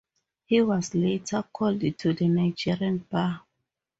He was later called to the Nigerian bar.